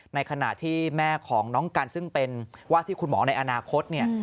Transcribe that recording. ในขณะที่แม่ของน้องกันซึ่งเป็นว่าที่คุณหมอในอนาคต